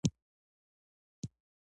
دا کلي د کورنیو د دودونو مهم عنصر دی.